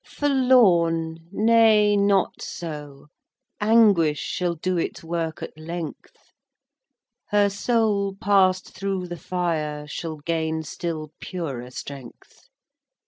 XVIII. Forlorn—nay, not so. Anguish Shall do its work at length; Her soul, pass'd through the fire, Shall gain still purer strength.